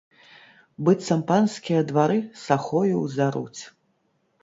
Быццам панскія двары сахою ўзаруць.